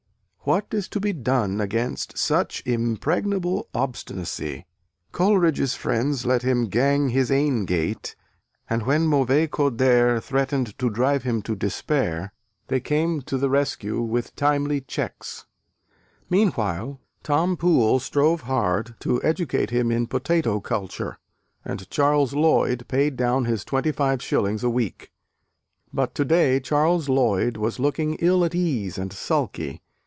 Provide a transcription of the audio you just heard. What is to be done against such impregnable obstinacy? Coleridge's friends let him "gang his ain gait": and when mauvais quarts d'heure threatened to drive him to despair, they came to the rescue with timely cheques: meanwhile, Tom Poole strove hard to educate him in potato culture, and Charles Lloyd paid down his twenty five shillings a week. But to day Charles Lloyd was looking ill at ease and sulky.